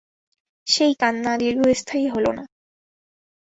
সেই কান্না দীর্ঘস্থায়ী হল না।